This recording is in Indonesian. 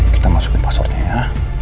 kita masukin passwordnya ya